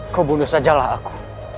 kau bunuh sajalah aku